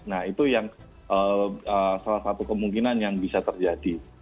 nah itu yang salah satu kemungkinan yang bisa terjadi